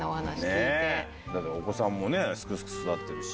お子さんもね、すくすく育ってるし。